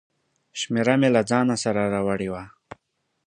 شمېره مې له ځانه سره راوړې وه.